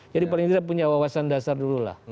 jadi paling tidak punya wawasan dasar dulu lah